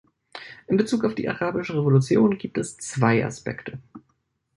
In Bezug auf die arabischen Revolutionen gibt es zwei Aspekte.